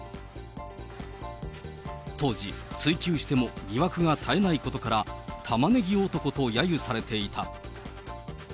当時、追及しても疑惑が絶えないことから、タマネギ男とやゆされていた。